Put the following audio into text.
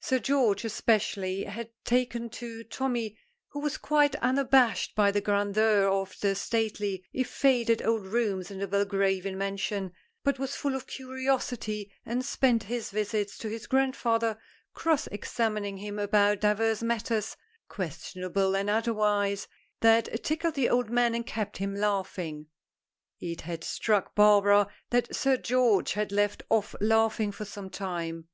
Sir George, especially, had taken to Tommy, who was quite unabashed by the grandeur of the stately, if faded, old rooms in the Belgravian mansion, but was full of curiosity, and spent his visits to his grandfather cross examining him about divers matters questionable and otherwise that tickled the old man and kept him laughing. It had struck Barbara that Sir George had left off laughing for some time.